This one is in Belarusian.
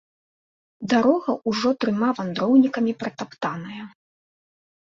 Дарога ўжо трыма вандроўнікамі пратаптаная.